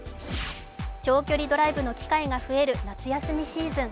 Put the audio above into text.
長距離ドライブの機会が増える夏休みシーズン。